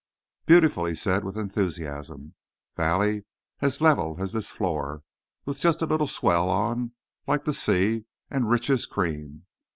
"Beautiful," he said, with enthusiasm. "Valley as level as this floor, with just a little swell on, like the sea, and rich as cream.